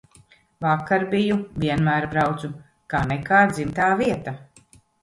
Vakar biju, vienmēr braucu, kā nekā dzimtā vieta.